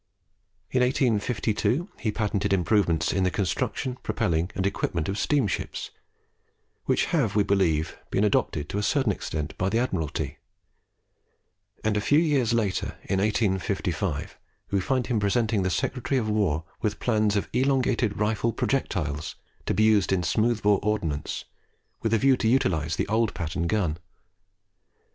In 1852 he patented improvements in the construction, propelling, and equipment of steamships, which have, we believe, been adopted to a certain extent by the Admiralty; and a few years later, in 1855, we find him presenting the Secretary of War with plans of elongated rifle projectiles to be used in smooth bore ordnance with a view to utilize the old pattern gun.